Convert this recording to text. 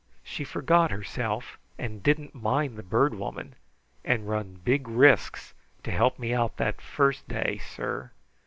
She forgot herself and didn't mind the Bird Woman, and run big risks to help me out that first day, sir.